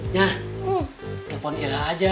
nyah telepon ila aja